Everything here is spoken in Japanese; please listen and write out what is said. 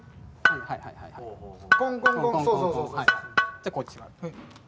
じゃあこっち。